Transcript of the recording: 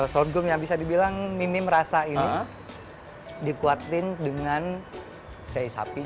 sorghum yang bisa dibilang mimim rasa ini dikuatkan dengan sei sapinya